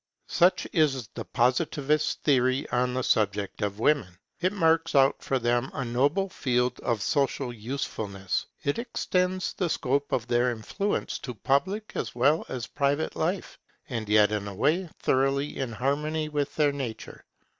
Such is the Positivist theory on the subject of Women. It marks out for them a noble field of social usefulness. It extends the scope of their influence to public as well as private life, and yet in a way thoroughly in harmony with their nature.